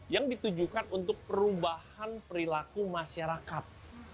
yang ditujukan untuk perubahan perilaku masyarakat